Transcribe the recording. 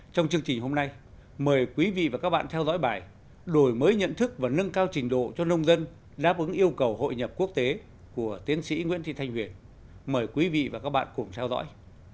trong chương trình hôm nay mời quý vị và các bạn theo dõi bài đổi mới nhận thức và nâng cao trình độ cho nông dân đáp ứng yêu cầu hội nhập quốc tế của tiến sĩ nguyễn thị thanh huyền mời quý vị và các bạn cùng theo dõi